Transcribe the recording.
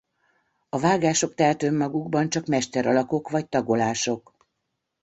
A vágások tehát önmagukban csak mesteralakok vagy tagolások.